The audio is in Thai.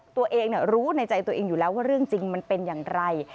ตัวเองรู้ในใจตัวเองอยู่แล้วว่าเรื่องจริงมันเป็นอย่างไร